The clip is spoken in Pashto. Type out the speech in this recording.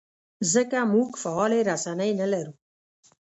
ځکه موږ فعالې رسنۍ نه لرو.